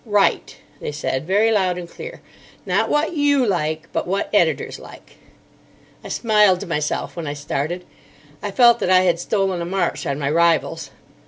"Write," they said, very loud and clear, "not what you like, but what editors like." I smiled to myself when I started. I felt that I had stolen a march on my rivals.